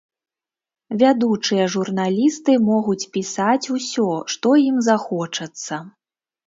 Вядучыя журналісты могуць пісаць усё, што ім захочацца.